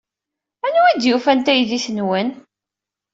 Anwa ay d-yufan taydit-nwen?